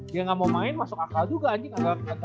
dia nggak mau main masuk akal juga anjing